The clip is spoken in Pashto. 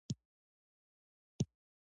د پښتنو په کلتور کې انسانیت ته درناوی کیږي.